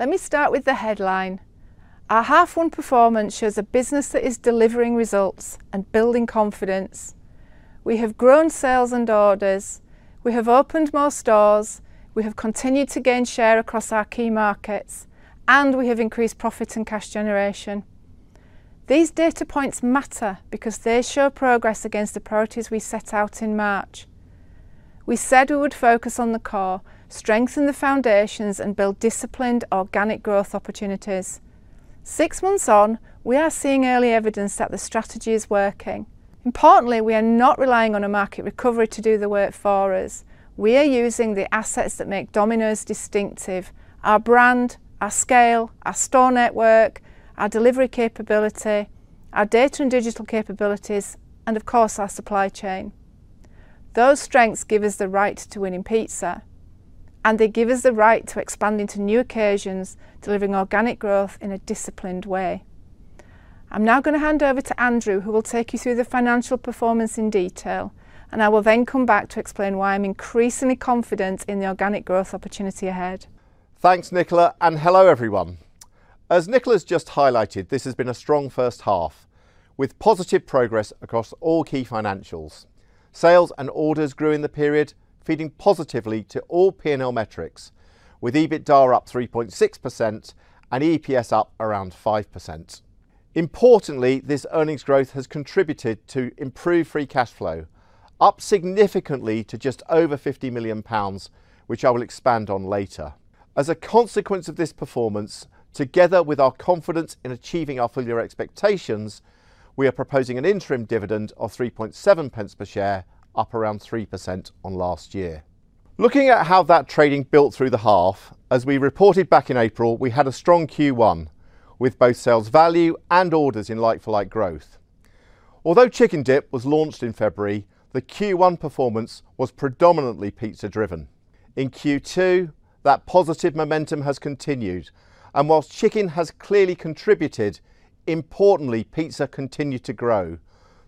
Let me start with the headline. Our half one performance shows a business that is delivering results and building confidence. We have grown sales and orders. We have opened more stores. We have continued to gain share across our key markets, and we have increased profit and cash generation. These data points matter because they show progress against the priorities we set out in March. We said we would focus on the core, strengthen the foundations, and build disciplined organic growth opportunities. Six months on, we are seeing early evidence that the strategy is working. Importantly, we are not relying on a market recovery to do the work for us. We are using the assets that make Domino's distinctive: our brand, our scale, our store network, our delivery capability, our data and digital capabilities, and of course, our supply chain. Those strengths give us the right to winning pizza, and they give us the right to expand into new occasions, delivering organic growth in a disciplined way. I am now going to hand over to Andrew, who will take you through the financial performance in detail, and I will then come back to explain why I am increasingly confident in the organic growth opportunity ahead. Thanks, Nicola, and hello, everyone. As Nicola's just highlighted, this has been a strong first half with positive progress across all key financials. Sales and orders grew in the period, feeding positively to all P&L metrics with EBITDA up 3.6% and EPS up around 5%. Importantly, this earnings growth has contributed to improved free cash flow, up significantly to just over 50 million pounds, which I will expand on later. As a consequence of this performance, together with our confidence in achieving our full year expectations, we are proposing an interim dividend of 0.037 per share, up around 3% on last year. Looking at how that trading built through the half, as we reported back in April, we had a strong Q1 with both sales value and orders in like-for-like growth. Although CHICK 'N' DIP was launched in February, the Q1 performance was predominantly pizza driven. Q2, that positive momentum has continued, and whilst chicken has clearly contributed, importantly, pizza continued to grow,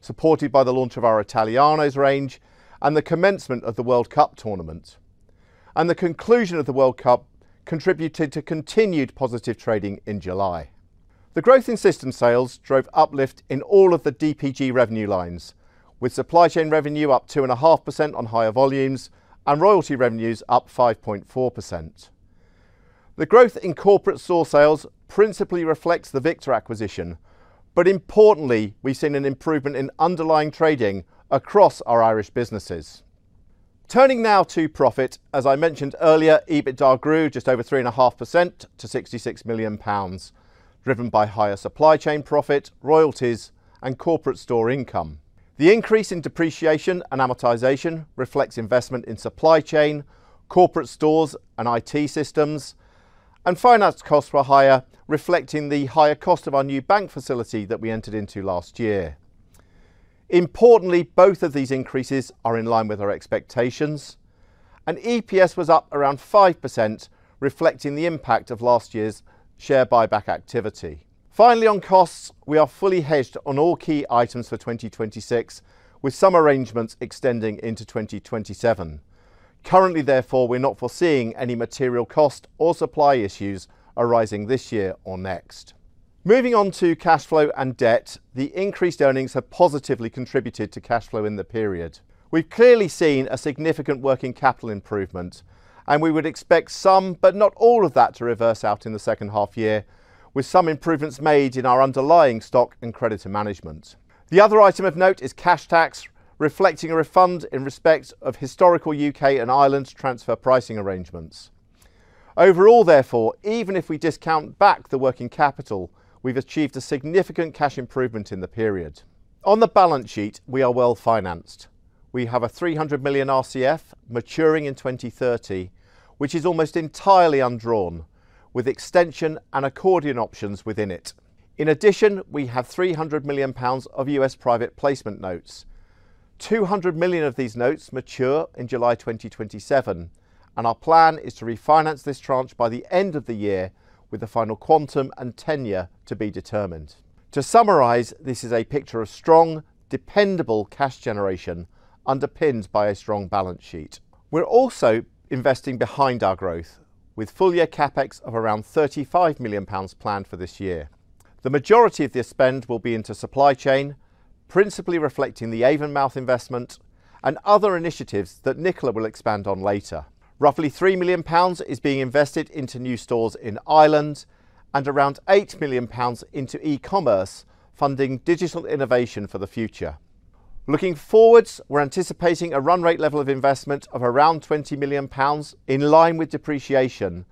supported by the launch of our Italianos range and the commencement of the World Cup tournament. The conclusion of the World Cup contributed to continued positive trading in July. The growth in system sales drove uplift in all of the DPG revenue lines, with supply chain revenue up 2.5% on higher volumes and royalty revenues up 5.4%. The growth in corporate store sales principally reflects the Victa acquisition, but importantly, we've seen an improvement in underlying trading across our Irish businesses. Turning now to profit, as I mentioned earlier, EBITDA grew just over 3.5% to 66 million pounds, driven by higher supply chain profit, royalties, and corporate store income. The increase in depreciation and amortization reflects investment in supply chain, corporate stores, and IT systems, and finance costs were higher, reflecting the higher cost of our new bank facility that we entered into last year. Importantly, both of these increases are in line with our expectations, and EPS was up around 5%, reflecting the impact of last year's share buyback activity. Finally, on costs, we are fully hedged on all key items for 2026 with some arrangements extending into 2027. Currently, therefore, we're not foreseeing any material cost or supply issues arising this year or next. Moving on to cash flow and debt, the increased earnings have positively contributed to cash flow in the period. We've clearly seen a significant working capital improvement, and we would expect some, but not all of that, to reverse out in the second half year with some improvements made in our underlying stock and creditor management. The other item of note is cash tax, reflecting a refund in respect of historical U.K. and Ireland transfer pricing arrangements. Overall, therefore, even if we discount back the working capital, we've achieved a significant cash improvement in the period. On the balance sheet, we are well-financed. We have a 300 million RCF maturing in 2030, which is almost entirely undrawn with extension and accordion options within it. In addition, we have 300 million pounds of USPP notes. 200 million of these notes mature in July 2027, and our plan is to refinance this tranche by the end of the year with the final quantum and tenure to be determined. To summarize, this is a picture of strong, dependable cash generation underpinned by a strong balance sheet. We're also investing behind our growth with full year CapEx of around 35 million pounds planned for this year. The majority of this spend will be into supply chain, principally reflecting the Avonmouth investment and other initiatives that Nicola will expand on later. Roughly 3 million pounds is being invested into new stores in Ireland and around 8 million pounds into e-commerce funding digital innovation for the future. Looking forwards, we're anticipating a run rate level of investment of around 20 million pounds in line with depreciation,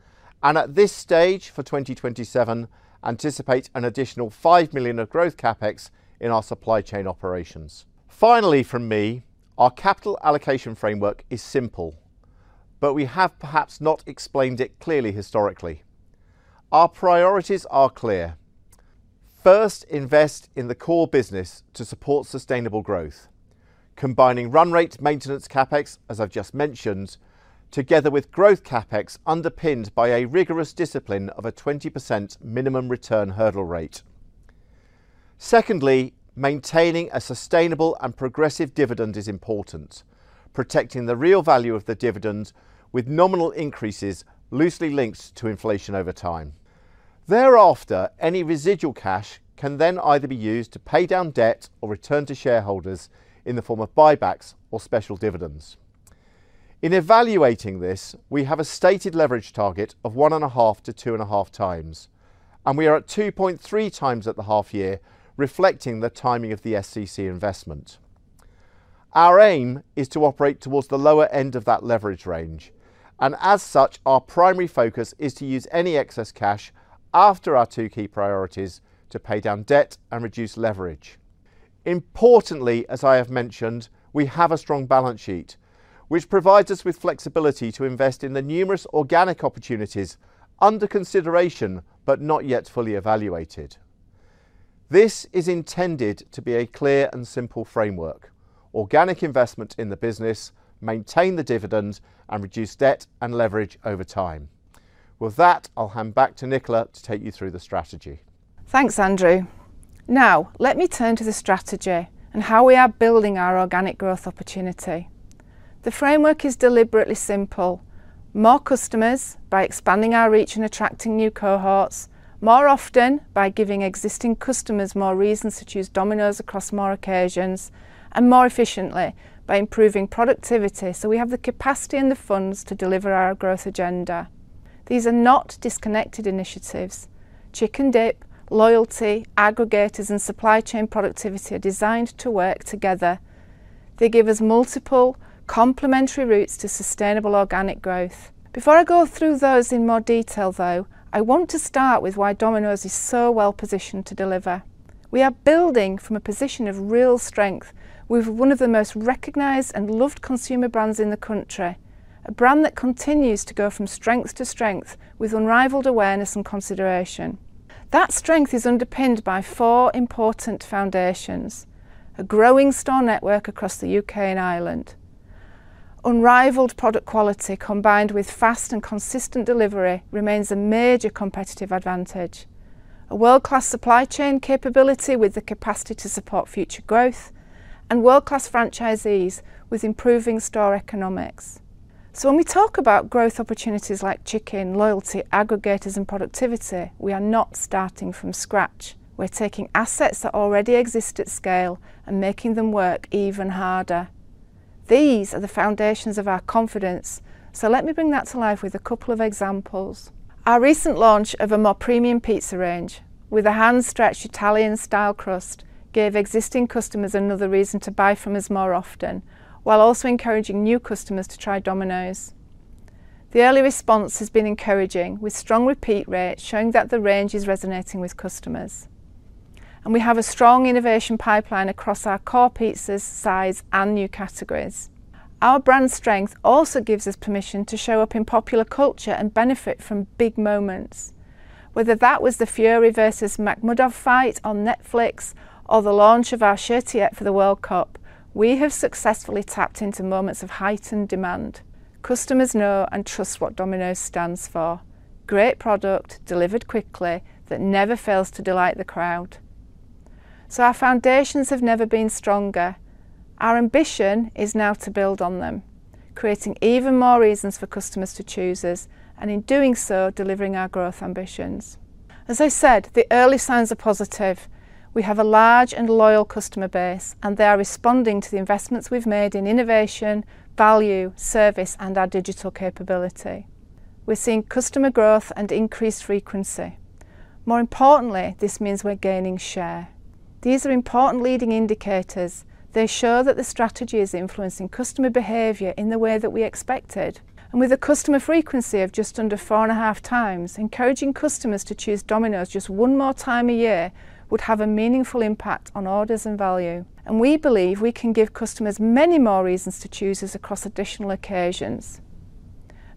and at this stage, for 2027, anticipate an additional 5 million of growth CapEx in our supply chain operations. Finally from me, our capital allocation framework is simple, but we have perhaps not explained it clearly historically. Our priorities are clear. First, invest in the core business to support sustainable growth, combining run rate maintenance CapEx, as I've just mentioned, together with growth CapEx underpinned by a rigorous discipline of a 20% minimum return hurdle rate. Secondly, maintaining a sustainable and progressive dividend is important, protecting the real value of the dividend with nominal increases loosely linked to inflation over time. Thereafter, any residual cash can then either be used to pay down debt or return to shareholders in the form of buybacks or special dividends. In evaluating this, we have a stated leverage target of 1.5x-2.5x, and we are at 2.3x at the half year, reflecting the timing of the SCC investment. Our aim is to operate towards the lower end of that leverage range. As such, our primary focus is to use any excess cash after our two key priorities to pay down debt and reduce leverage. Importantly, as I have mentioned, we have a strong balance sheet, which provides us with flexibility to invest in the numerous organic opportunities under consideration, but not yet fully evaluated. This is intended to be a clear and simple framework. Organic investment in the business, maintain the dividend, and reduce debt and leverage over time. With that, I'll hand back to Nicola to take you through the strategy. Thanks, Andrew. Let me turn to the strategy and how we are building our organic growth opportunity. The framework is deliberately simple. More customers by expanding our reach and attracting new cohorts. More often, by giving existing customers more reasons to choose Domino's across more occasions. More efficiently, by improving productivity so we have the capacity and the funds to deliver our growth agenda. These are not disconnected initiatives. CHICK 'N' DIP, loyalty, aggregators, and supply chain productivity are designed to work together. They give us multiple complimentary routes to sustainable organic growth. Before I go through those in more detail though, I want to start with why Domino's is so well positioned to deliver. We are building from a position of real strength with one of the most recognized and loved consumer brands in the country, a brand that continues to go from strength to strength with unrivaled awareness and consideration. That strength is underpinned by four important foundations. A growing store network across the U.K. and Ireland. Unrivaled product quality combined with fast and consistent delivery remains a major competitive advantage. A world-class supply chain capability with the capacity to support future growth. And world-class franchisees with improving store economics. When we talk about growth opportunities like chicken, loyalty, aggregators, and productivity, we are not starting from scratch. We're taking assets that already exist at scale and making them work even harder. These are the foundations of our confidence, let me bring that to life with a couple of examples. Our recent launch of a more premium pizza range with a hand-stretched Italian style crust gave existing customers another reason to buy from us more often, while also encouraging new customers to try Domino's. The early response has been encouraging, with strong repeat rates showing that the range is resonating with customers. We have a strong innovation pipeline across our core pizzas, sides, and new categories. Our brand strength also gives us permission to show up in popular culture and benefit from big moments. Whether that was the Fury versus Makhmudov fight on Netflix or the launch of our Shirtiette for the World Cup, we have successfully tapped into moments of heightened demand. Customers know and trust what Domino's stands for. Great product delivered quickly that never fails to delight the crowd. Our foundations have never been stronger. Our ambition is now to build on them, creating even more reasons for customers to choose us, and in doing so, delivering our growth ambitions. As I said, the early signs are positive. We have a large and loyal customer base, and they are responding to the investments we've made in innovation, value, service, and our digital capability. We're seeing customer growth and increased frequency. More importantly, this means we're gaining share. These are important leading indicators. They show that the strategy is influencing customer behavior in the way that we expected. With a customer frequency of just under four and a half times, encouraging customers to choose Domino's just one more time a year would have a meaningful impact on orders and value. We believe we can give customers many more reasons to choose us across additional occasions.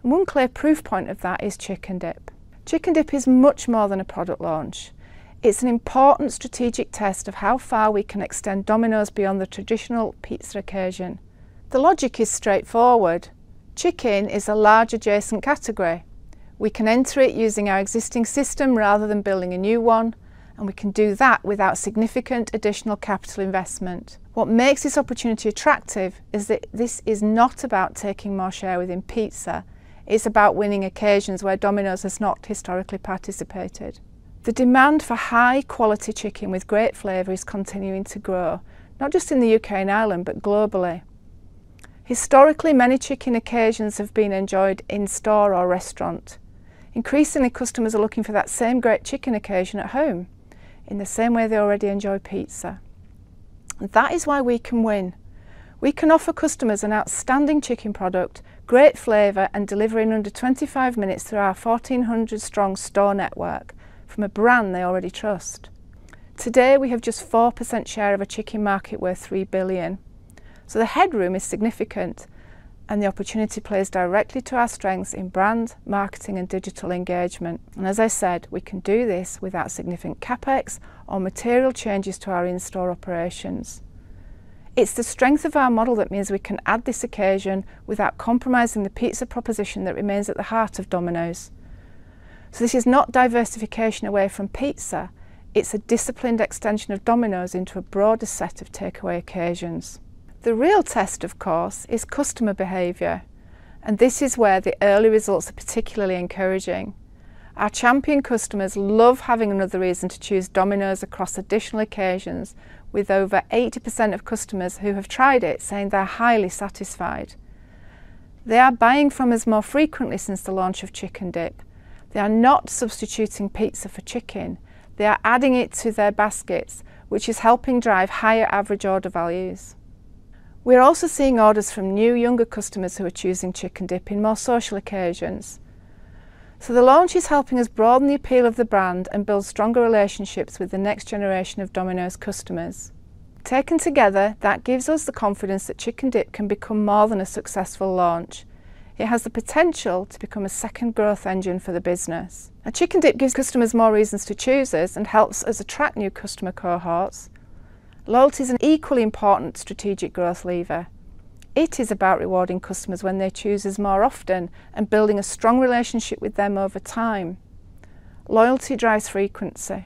One clear proof point of that is CHICK 'N' DIP. CHICK 'N' DIP is much more than a product launch. It's an important strategic test of how far we can extend Domino's beyond the traditional pizza occasion. The logic is straightforward. Chicken is a large adjacent category. We can enter it using our existing system rather than building a new one, and we can do that without significant additional capital investment. What makes this opportunity attractive is that this is not about taking more share within pizza, it's about winning occasions where Domino's has not historically participated. The demand for high-quality chicken with great flavor is continuing to grow, not just in the U.K. and Ireland, but globally. Historically, many chicken occasions have been enjoyed in-store or restaurant. Increasingly, customers are looking for that same great chicken occasion at home in the same way they already enjoy pizza. That is why we can win. We can offer customers an outstanding chicken product, great flavor, and deliver in under 25 minutes through our 1,400-strong store network from a brand they already trust. Today, we have just 4% share of a chicken market worth 3 billion. The headroom is significant, and the opportunity plays directly to our strengths in brand, marketing, and digital engagement. As I said, we can do this without significant CapEx or material changes to our in-store operations. It's the strength of our model that means we can add this occasion without compromising the pizza proposition that remains at the heart of Domino's. This is not diversification away from pizza. It's a disciplined extension of Domino's into a broader set of takeaway occasions. The real test, of course, is customer behavior, and this is where the early results are particularly encouraging. Our champion customers love having another reason to choose Domino's across additional occasions with over 80% of customers who have tried it saying they're highly satisfied. They are buying from us more frequently since the launch of CHICK 'N' DIP. They are not substituting pizza for chicken. They are adding it to their baskets, which is helping drive higher average order values. We're also seeing orders from new, younger customers who are choosing CHICK 'N' DIP in more social occasions. The launch is helping us broaden the appeal of the brand and build stronger relationships with the next generation of Domino's customers. Taken together, that gives us the confidence that CHICK 'N' DIP can become more than a successful launch. It has the potential to become a second growth engine for the business. CHICK 'N' DIP gives customers more reasons to choose us and helps us attract new customer cohorts. Loyalty is an equally important strategic growth lever. It is about rewarding customers when they choose us more often and building a strong relationship with them over time. Loyalty drives frequency.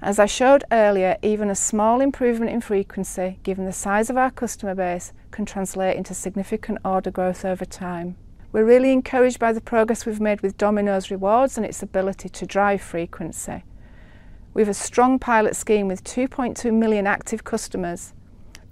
As I showed earlier, even a small improvement in frequency, given the size of our customer base, can translate into significant order growth over time. We're really encouraged by the progress we've made with Domino's Rewards and its ability to drive frequency. We have a strong pilot scheme with 2.2 million active customers.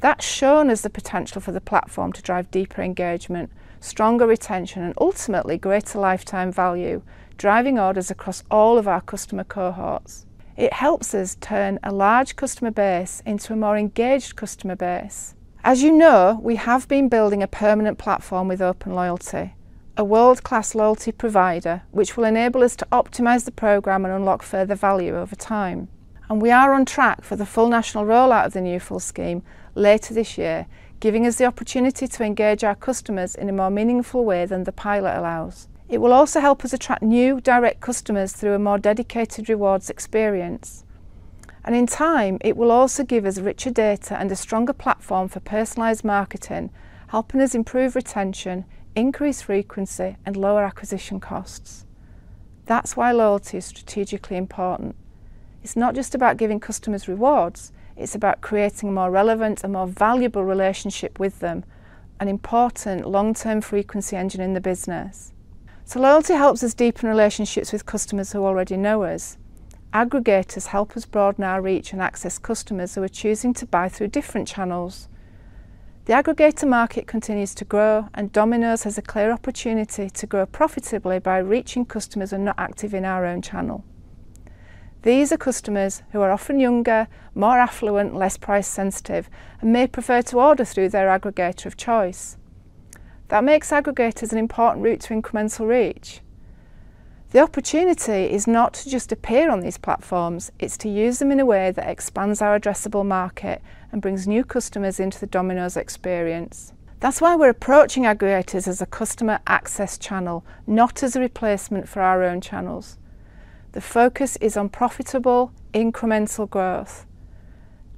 That's shown us the potential for the platform to drive deeper engagement, stronger retention, and ultimately greater lifetime value, driving orders across all of our customer cohorts. It helps us turn a large customer base into a more engaged customer base. As you know, we have been building a permanent platform with Open Loyalty, a world-class loyalty provider, which will enable us to optimize the program and unlock further value over time. We are on track for the full national rollout of the new full scheme later this year, giving us the opportunity to engage our customers in a more meaningful way than the pilot allows. It will also help us attract new direct customers through a more dedicated rewards experience. In time, it will also give us richer data and a stronger platform for personalized marketing, helping us improve retention, increase frequency, and lower acquisition costs. That's why loyalty is strategically important. It's not just about giving customers rewards. It's about creating a more relevant and more valuable relationship with them, an important long-term frequency engine in the business. Loyalty helps us deepen relationships with customers who already know us. Aggregators help us broaden our reach and access customers who are choosing to buy through different channels. The aggregator market continues to grow, and Domino's has a clear opportunity to grow profitably by reaching customers who are not active in our own channel. These are customers who are often younger, more affluent, less price sensitive, and may prefer to order through their aggregator of choice. That makes aggregators an important route to incremental reach. The opportunity is not to just appear on these platforms. It's to use them in a way that expands our addressable market and brings new customers into the Domino's experience. That's why we're approaching aggregators as a customer access channel, not as a replacement for our own channels. The focus is on profitable, incremental growth.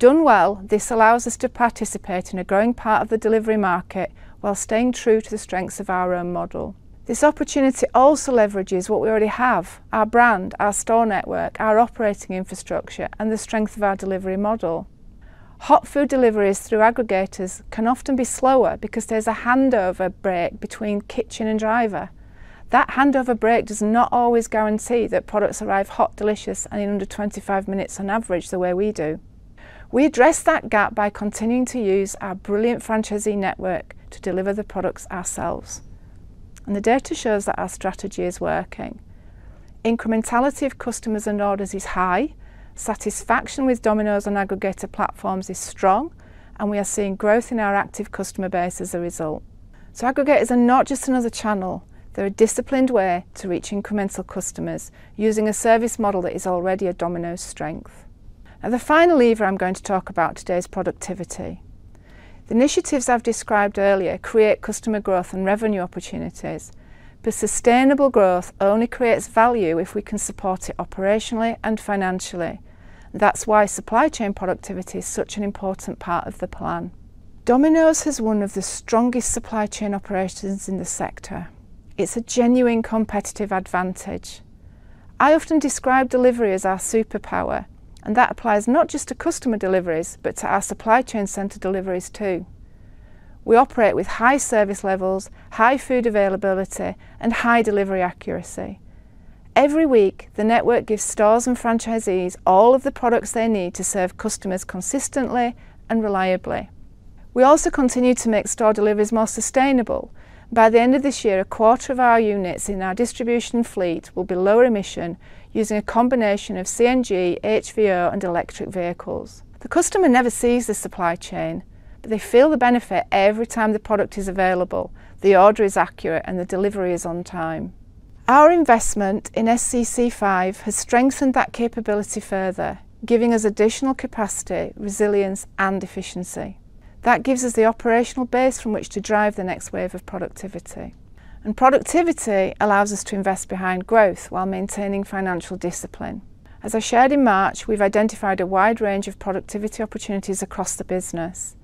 Done well, this allows us to participate in a growing part of the delivery market while staying true to the strengths of our own model. This opportunity also leverages what we already have, our brand, our store network, our operating infrastructure, and the strength of our delivery model. Hot food deliveries through aggregators can often be slower because there's a handover break between kitchen and driver. That handover break does not always guarantee that products arrive hot, delicious, and in under 25 minutes on average the way we do. We address that gap by continuing to use our brilliant franchisee network to deliver the products ourselves, and the data shows that our strategy is working. Incrementality of customers and orders is high. Satisfaction with Domino's on aggregator platforms is strong, and we are seeing growth in our active customer base as a result. Aggregators are not just another channel. They're a disciplined way to reach incremental customers using a service model that is already a Domino's strength. The final lever I'm going to talk about today is productivity. The initiatives I've described earlier create customer growth and revenue opportunities, but sustainable growth only creates value if we can support it operationally and financially. That's why supply chain productivity is such an important part of the plan. Domino's has one of the strongest supply chain operations in the sector. It's a genuine competitive advantage. I often describe delivery as our superpower, and that applies not just to customer deliveries but to our supply chain center deliveries, too. We operate with high service levels, high food availability, and high delivery accuracy. Every week, the network gives stores and franchisees all of the products they need to serve customers consistently and reliably. We also continue to make store deliveries more sustainable. By the end of this year, a quarter of our units in our distribution fleet will be lower emission using a combination of CNG, HVO, and electric vehicles. The customer never sees the supply chain, but they feel the benefit every time the product is available, the order is accurate, and the delivery is on time. Our investment in SCC5 has strengthened that capability further, giving us additional capacity, resilience, and efficiency. That gives us the operational base from which to drive the next wave of productivity, and productivity allows us to invest behind growth while maintaining financial discipline. As I shared in March, we've identified a wide range of productivity opportunities across the business.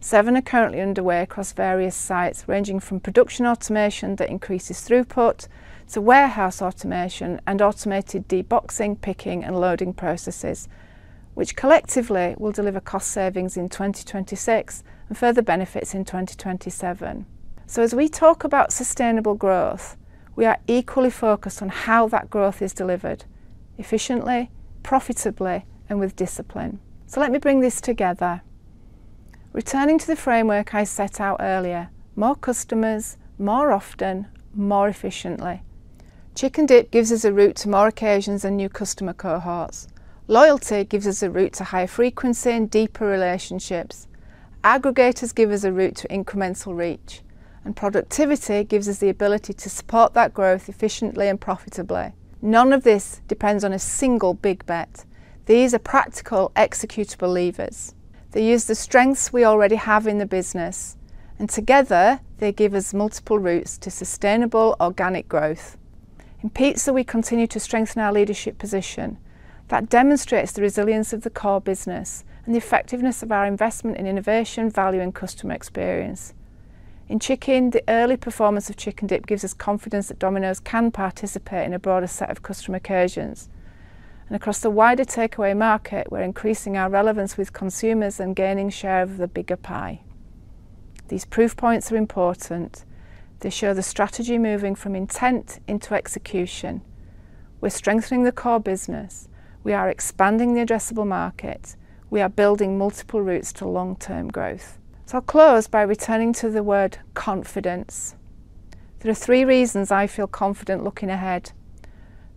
Seven are currently underway across various sites, ranging from production automation that increases throughput to warehouse automation and automated de-boxing, picking, and loading processes, which collectively will deliver cost savings in 2026 and further benefits in 2027. As we talk about sustainable growth, we are equally focused on how that growth is delivered efficiently, profitably, and with discipline. Let me bring this together. Returning to the framework I set out earlier, more customers, more often, more efficiently. CHICK 'N' DIP gives us a route to more occasions and new customer cohorts. Loyalty gives us a route to higher frequency and deeper relationships. Aggregators give us a route to incremental reach. Productivity gives us the ability to support that growth efficiently and profitably. None of this depends on a single big bet. These are practical executable levers. They use the strengths we already have in the business, and together they give us multiple routes to sustainable organic growth. In pizza, we continue to strengthen our leadership position. That demonstrates the resilience of the core business and the effectiveness of our investment in innovation, value, and customer experience. In chicken, the early performance of CHICK 'N' DIP gives us confidence that Domino's can participate in a broader set of customer occasions. Across the wider takeaway market, we're increasing our relevance with consumers and gaining share of the bigger pie. These proof points are important. They show the strategy moving from intent into execution. We're strengthening the core business. We are expanding the addressable market. We are building multiple routes to long-term growth. I'll close by returning to the word confidence. There are three reasons I feel confident looking ahead.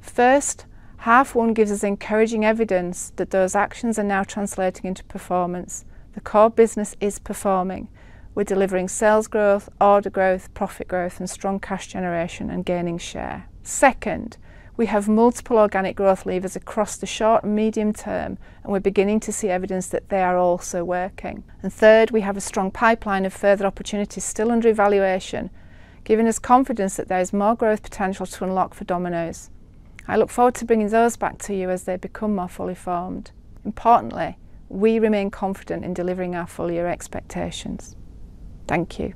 First, half one gives us encouraging evidence that those actions are now translating into performance. The core business is performing. We're delivering sales growth, order growth, profit growth, and strong cash generation, and gaining share. Second, we have multiple organic growth levers across the short and medium term, and we're beginning to see evidence that they are also working. Third, we have a strong pipeline of further opportunities still under evaluation, giving us confidence that there is more growth potential to unlock for Domino's. I look forward to bringing those back to you as they become more fully formed. Importantly, we remain confident in delivering our full-year expectations. Thank you.